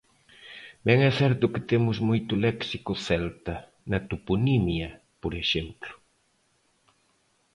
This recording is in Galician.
Ben é certo que temos moito léxico celta, na toponimia por exemplo.